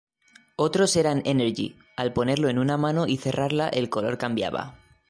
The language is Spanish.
Otros eran energy, al ponerlo en una mano y cerrarla el color cambiaba.